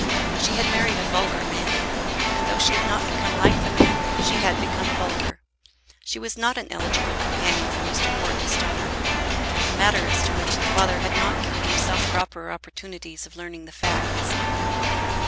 She had married a vulgar man; and, though she had not become like the man, she had become vulgar. She was not an eligible companion for Mr. Wharton's daughter, a matter as to which the father had not given himself proper opportunities of learning the facts.